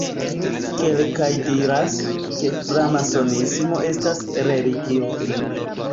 Kelkaj diras, ke framasonismo estas religio.